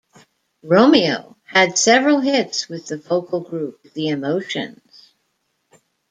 Romeo had several hits with the vocal group the Emotions.